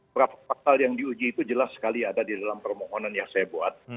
berapa pasal yang diuji itu jelas sekali ada di dalam permohonan yang saya buat